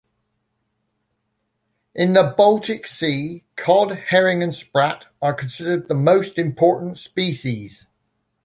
In the Baltic Sea, cod, herring, and sprat are considered the most important species.